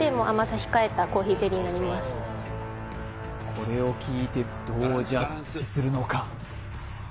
これを聞いてどうジャッジするのか？